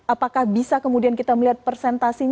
apakah bisa kemudian kita melihat persentasenya